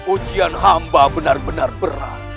ujian hamba benar benar berat